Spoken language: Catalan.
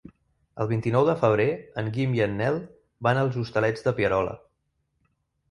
El vint-i-nou de febrer en Guim i en Nel van als Hostalets de Pierola.